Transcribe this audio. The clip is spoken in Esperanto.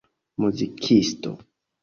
muzikisto